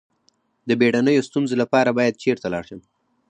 د بیړنیو ستونزو لپاره باید چیرته لاړ شم؟